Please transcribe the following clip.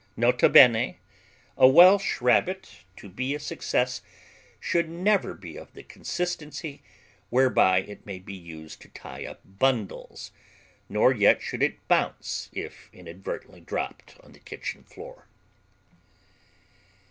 Nota bene: A Welsh Rabbit, to be a success, should never be of the consistency whereby it may be used to tie up bundles, nor yet should it bounce if inadvertently dropped on the kitchen floor.